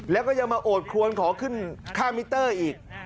แล้วก็ยังมาโอดครวนขอขึ้นค่ามิเตอร์อีก